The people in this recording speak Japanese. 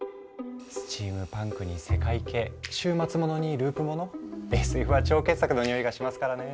スチームパンクにセカイ系終末ものにループものＳＦは超傑作のにおいがしますからね。